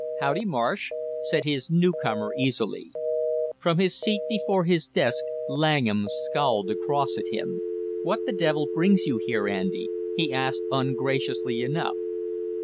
"Howdy, Marsh!" said his new comer easily. From his seat before his desk Langham scowled across at him. "What the devil brings you here, Andy?" he asked, ungraciously enough.